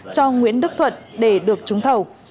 cho nguyễn đức thuận để được trúng thầu